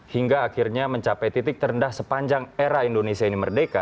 hingga akhirnya mencapai titik terendah sepanjang era indonesia ini merdeka